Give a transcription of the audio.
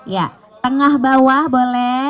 ya tengah bawah boleh